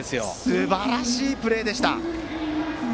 すばらしいプレーでした。